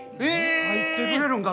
入ってくれるんか？